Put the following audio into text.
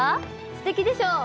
すてきでしょう？